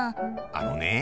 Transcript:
あのね